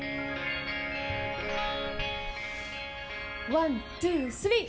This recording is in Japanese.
ワン・ツー・スリー！